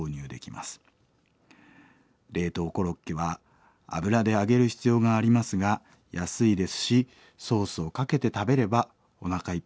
冷凍コロッケは油で揚げる必要がありますが安いですしソースをかけて食べればおなかいっぱいになります。